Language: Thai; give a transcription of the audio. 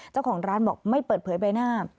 เจ้าของร้านบอกไม่เปิดเผยใบหน้า